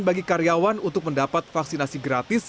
bagi karyawan untuk mendapat vaksinasi gratis